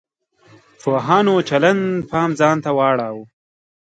پوهانو چلند پام ځان ته واړاوه.